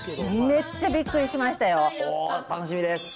めっちゃびっくりしましたよ。